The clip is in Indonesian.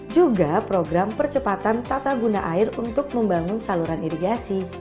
juga program percepatan tata guna air untuk membangun saluran irigasi